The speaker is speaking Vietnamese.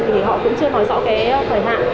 thì họ cũng chưa nói rõ cái thời hạn